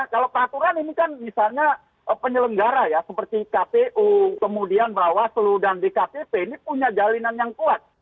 kalau peraturan ini kan misalnya penyelenggara ya seperti kpu kemudian bawaslu dan dkpp ini punya jalinan yang kuat